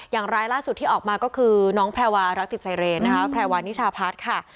รายล่าสุดที่ออกมาก็คือน้องแพรวารักษิตไซเรนนะคะแพรวานิชาพัฒน์ค่ะ